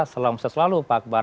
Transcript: salam seselalu pak akbar